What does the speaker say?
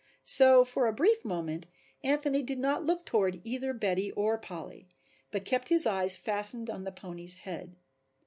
So for a brief moment Anthony did not look toward either Betty or Polly but kept his eyes fastened on the pony's head.